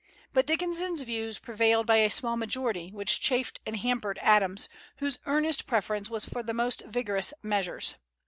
But Dickinson's views prevailed by a small majority, which chafed and hampered Adams, whose earnest preference was for the most vigorous measures.